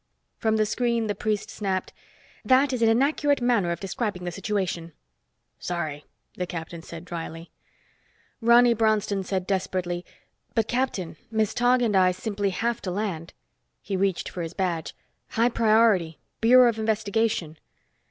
From the screen the priest snapped, "That is an inaccurate manner of describing the situation." "Sorry," the captain said dryly. Ronny Bronston said desperately, "But, captain, Miss Tog and I simply have to land." He reached for his badge. "High priority, Bureau of Investigation."